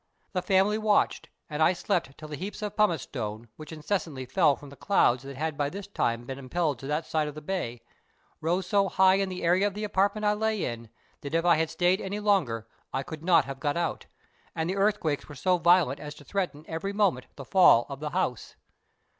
The family watched, and I slept till the heaps of pumice stones, which incessantly fell from the clouds that had by this time been impelled to that side of the bay, rose so high in the area of the apartment I lay in, that if I had stayed any longer I could not have got out; and the earthquakes were so violent as to threaten every moment the fall of the house.